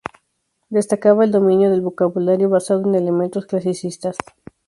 Destacaba el dominio del vocabulario basado en elementos clasicistas.